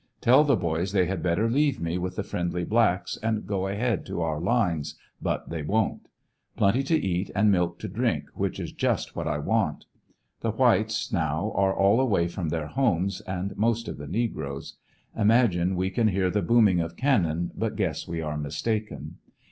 Tell the boys they had better leave me with the friendly blacks and go ahead to our lines, but they won't. Plenty to eat and milk to drink, which is just what I want. The whites now are all away from their homes and most of the negroes. ImaLine we can hear the booming of cannon, but guess we are mistaken.